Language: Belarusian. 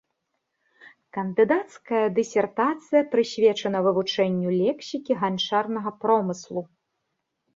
Кандыдацкая дысертацыя прысвечана вывучэнню лексікі ганчарнага промыслу.